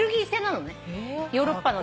ヨーロッパの。